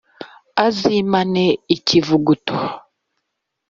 Azimane ikivuguto.